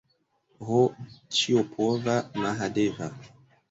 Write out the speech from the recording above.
Ho, ĉiopova Mahadeva!